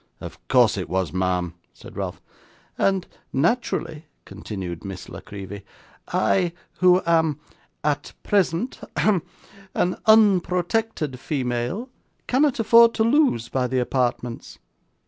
'Of course it was, ma'am,' said Ralph. 'And naturally,' continued Miss La Creevy, 'I who am, AT PRESENT hem an unprotected female, cannot afford to lose by the apartments.